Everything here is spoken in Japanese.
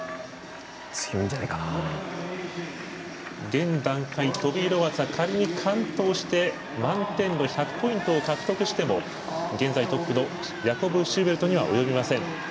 現段階トビー・ロバーツは仮に完登して１００ポイントを獲得しても現在トップのヤコブ・シューベルトには及びません。